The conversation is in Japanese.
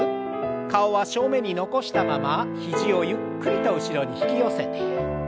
顔は正面に残したまま肘をゆっくりと後ろに引き寄せて。